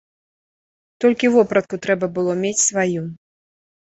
Толькі вопратку трэба было мець сваю.